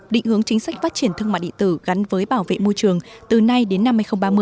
định hướng chính sách phát triển thương mại điện tử gắn với bảo vệ môi trường từ nay đến năm hai nghìn ba mươi